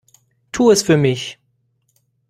Tu es für mich!